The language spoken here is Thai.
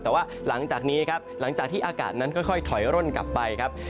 แต่ว่าหลังจากนี้ครับหลังจากที่อากาศนั้นค่อยถอยร่นกลับไปครับ